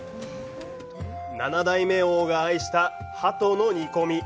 ７代目王が愛したハトの煮込み。